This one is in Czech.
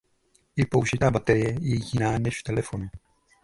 I použitá baterie je jiná než v telefonu.